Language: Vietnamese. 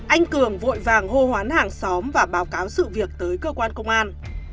anh cường vội vàng hô hoán hàng xóm và báo cáo sự việc tới cơ quan công an